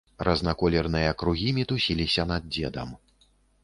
Разнаколерныя кругі мітусіліся над дзедам.